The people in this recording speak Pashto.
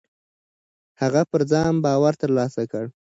هغه پر ځان باور ترلاسه کړ.